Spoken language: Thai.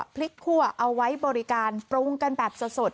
พริกคั่วเอาไว้บริการปรุงกันแบบสด